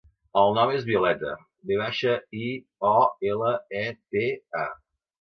El nom és Violeta: ve baixa, i, o, ela, e, te, a.